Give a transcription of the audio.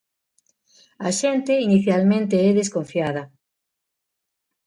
A xente inicialmente é desconfiada.